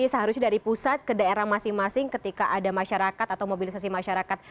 seharusnya dari pusat ke daerah masing masing ketika ada masyarakat atau mobilisasi masyarakat